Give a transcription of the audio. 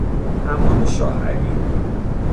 حمام شاه علی